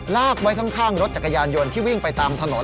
ลากไว้ข้างรถจักรยานยนต์ที่วิ่งไปตามถนน